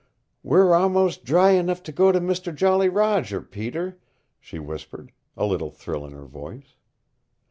"We're a'most dry enough to go to Mister Jolly Roger, Peter," she whispered, a little thrill in her voice.